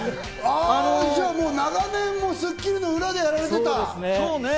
じゃあ長年『スッキリ』の裏でやられていた。